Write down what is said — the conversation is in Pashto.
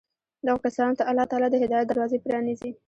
دغو كسانو ته الله تعالى د هدايت دروازې پرانېزي